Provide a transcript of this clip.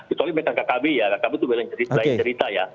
ketika kkb ya kkb itu berarti cerita ya